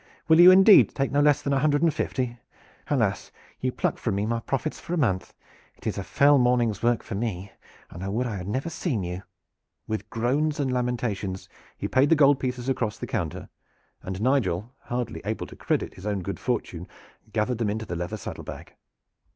Will you indeed take no less than a hundred and fifty? Alas! you pluck from me my profits of a month. It is a fell morning's work for me. I would I had never seen you!" With groans and lamentations he paid the gold pieces across the counter, and Nigel, hardly able to credit his own good fortune, gathered them into the leather saddle bag.